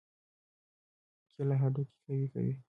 کېله هډوکي قوي کوي.